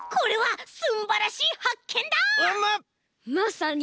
まさに。